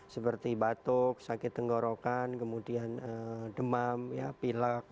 seperti batuk sakit tenggorokan kemudian demam pilak